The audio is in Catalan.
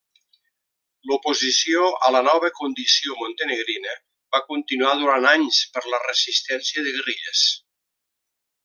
L'oposició a la nova condició montenegrina va continuar durant anys per la resistència de guerrilles.